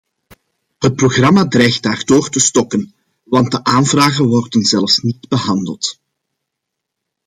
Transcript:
Het programma dreigt daardoor te stokken, want de aanvragen worden zelfs niet behandeld.